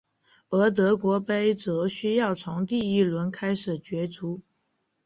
而德国杯则需要从第一轮开始角逐。